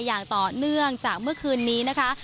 อย่างต่อเนื่องจากเมื่อคืนนี้นะคะ